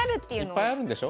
いっぱいあるんでしょ？